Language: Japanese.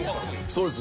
そうです。